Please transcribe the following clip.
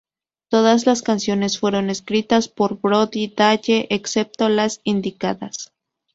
Todas las canciones fueron escritas por Brody Dalle, excepto las indicadas.